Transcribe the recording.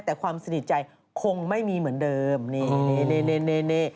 แต่ความสนิทใจคงไม่มีเหมือนเดิมนี่นี่